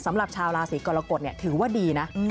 สำหรับชาวราศีกรกฎถือว่าดีนะ